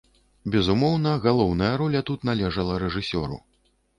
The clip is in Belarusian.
Безумоўна, галоўная роля тут належала рэжысёру.